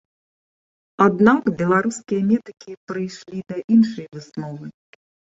Аднак беларускія медыкі прыйшлі да іншай высновы.